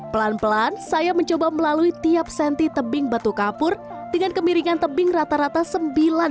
pelan pelan saya mencoba melalui tiap senti tebing batu kapur dengan kemiringan tebing rata rata sembilan puluh